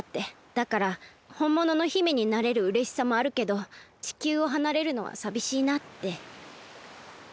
だからほんものの姫になれるうれしさもあるけど地球をはなれるのはさびしいなって。